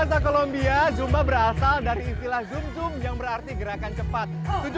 dalam bahasa kolombia zumba berasal dari istilah zum zum yang berarti gerakan cepat